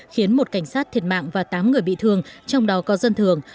khiến một cảnh sát thiệt mạng và tám người bị thương trong đó có dân thường